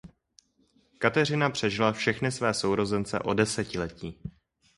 Kateřina přežila všechny své sourozence o desetiletí.